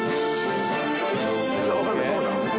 分かんないどこだ？